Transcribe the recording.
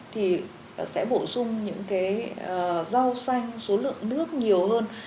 thì sẽ bổ sung những cái rau xanh số lượng nước nhiều hơn